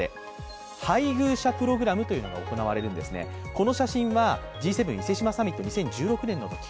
この写真はＧ７伊勢志摩サミットのとき。